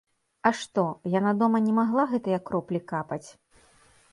А што, яна дома не магла гэтыя кроплі капаць?